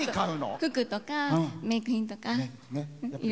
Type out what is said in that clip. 服とかメーク品とか。